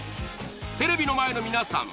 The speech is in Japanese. テレビの前の皆さん